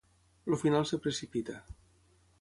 El final es precipita.